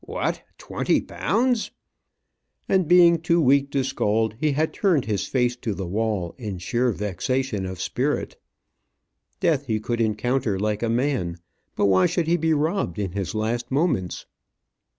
What, twenty pounds!" And being too weak to scold, he had turned his face to the wall in sheer vexation of spirit. Death he could encounter like a man; but why should he be robbed in his last moments?